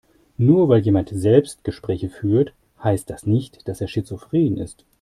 Nur weil jemand Selbstgespräche führt, heißt das nicht, dass er schizophren ist.